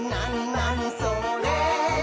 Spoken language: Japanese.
なにそれ？」